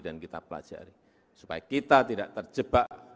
dan kita pelajari supaya kita tidak terjebak